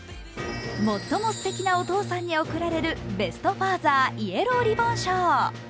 最もステキなお父さんに贈られるベスト・ファーザーイエローリボン賞。